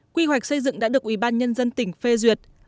quy hoạch xây dựng đã được ubnd tỉnh phê duyệt